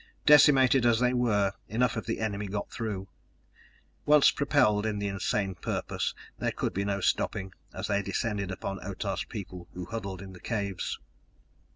Decimated as they were, enough of the enemy got through. Once propelled in the insane purpose there could be no stopping, as they descended upon Otah's people who huddled in the caves....